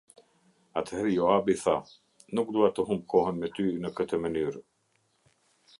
Atëherë Joabi tha: "Nuk dua të humb kohën me ty në këtë mënyrë".